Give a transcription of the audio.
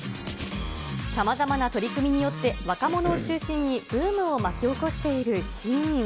さまざまな取り組みによって若者を中心にブームを巻き起こしているシーイン。